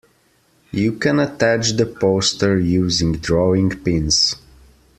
You can attach the poster using drawing pins